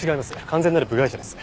完全なる部外者です。